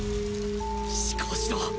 思考しろ！